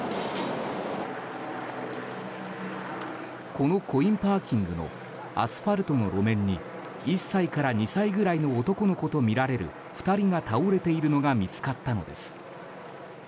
このコインパーキングのアスファルトの路面に１歳から２歳ぐらいの男の子とみられる２人が倒れているのが見つかったのです。